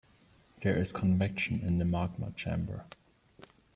There is convection in the magma chamber.